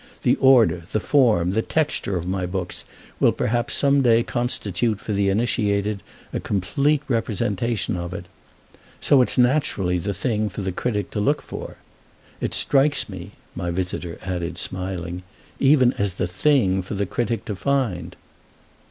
The order, the form, the texture of my books will perhaps some day constitute for the initiated a complete representation of it. So it's naturally the thing for the critic to look for. It strikes me," my visitor added, smiling, "even as the thing for the critic to find."